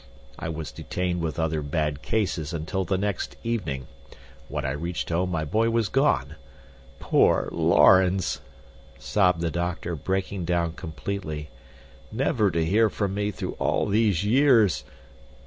I was detained with other bad cases until the next evening. When I reached home my boy was gone. Poor Laurens!" sobbed the doctor, breaking down completely. "Never to hear from me through all these years.